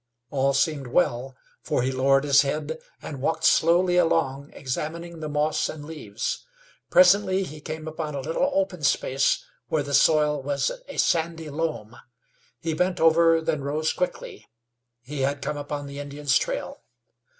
All seemed well, for he lowered his head, and walked slowly along, examining the moss and leaves. Presently he came upon a little open space where the soil was a sandy loam. He bent over, then rose quickly. He had come upon the Indian's trail.